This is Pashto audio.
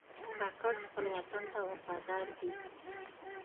کاکړ خپل وطن ته وفادار دي.